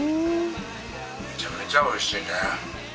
めちゃめちゃおいしいね。